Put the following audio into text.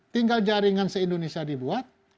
tinggal jaringan se indonesia dibuat